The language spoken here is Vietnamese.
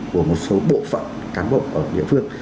của một số bộ phận cán bộ ở địa phương